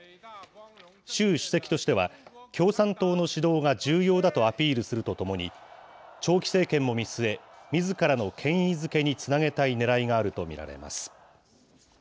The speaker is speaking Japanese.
習主席としては、共産党の指導が重要だとアピールするとともに、長期政権も見据え、みずからの権威づけにつなげたいねらいがあると見られます。